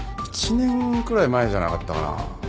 １年くらい前じゃなかったかな。